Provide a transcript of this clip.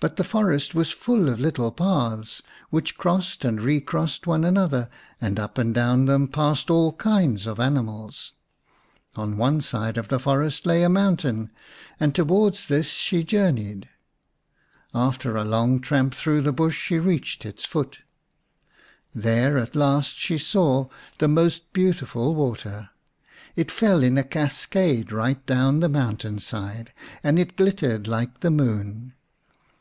But the forest was full of little paths, which crossed and recrossed one another, and up and down them passed all kinds of animals. On one side of the forest lay a mountain, and towards this 62 vi The Unnatural Mother she journeyed. After a long tramp through the bush she reached its foot. There at last she saw the most beautiful water. It fell in a cascade right down the mountain side, and it glittered like the moon.